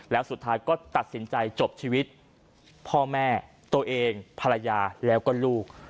แล้วสุดท้ายก็ตัดสินใจจบชีวิตพ่อแม่ตัวเองภรรยาแล้วก็ลูก